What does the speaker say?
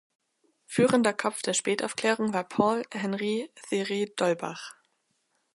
Führender Kopf der Spätaufklärung war Paul Henri Thiry d’Holbach.